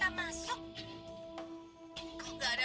nama yang ada